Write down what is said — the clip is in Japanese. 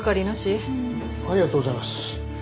ありがとうございます。